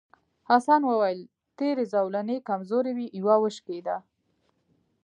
حسن وویل تېرې زولنې کمزورې وې یوه وشکېده.